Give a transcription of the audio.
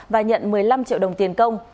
và nhận một mươi năm triệu đồng tiền công